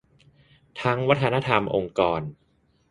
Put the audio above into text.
ทั้งวัฒนธรรมองค์กร